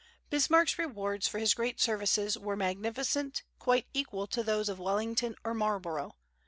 Bismarck's rewards for his great services were magnificent, quite equal to those of Wellington or Marlborough.